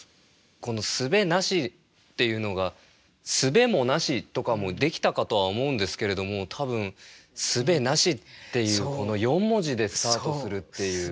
この「すべなし」っていうのが「すべもなし」とかもできたかとは思うんですけれども多分「すべなし」っていうこの４文字でスタートするっていう。